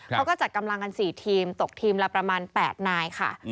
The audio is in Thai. เขาก็จัดกำลังกัน๔ทีมตกทีมละประมาณ๘นายค่ะ